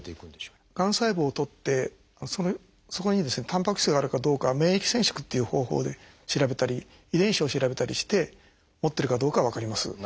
がん細胞を採ってそこにタンパク質があるかどうかは免疫染色っていう方法で調べたり遺伝子を調べたりして持ってるかどうかは分かります。